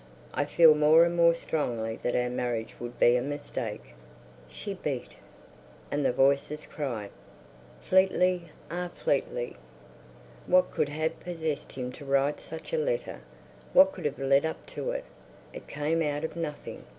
"... I feel more and more strongly that our marriage would be a mistake...." she beat. And the voices cried: Fleetly! Ah, Fleetly. What could have possessed him to write such a letter! What could have led up to it! It came out of nothing.